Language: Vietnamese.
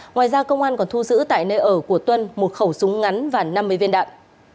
ngoài ra công an còn thu giữ tại nơi ở của tuân một khẩu súng ngắn và năm mươi viên đạn